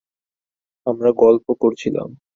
আমরা গল্প করছিলাম।